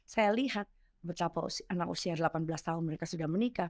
saya lihat betapa anak usia delapan belas tahun mereka sudah menikah